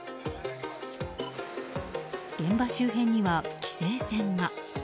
現場周辺には規制線が。